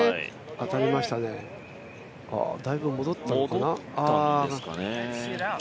当たりましたね、だいぶ戻ったのかな。